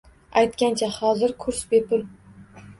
- Aytgancha, hozir kurs bepul